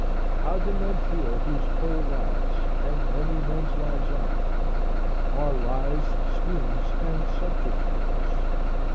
How do men feel whose whole lives (and many men's lives are) are lies, schemes, and subterfuges?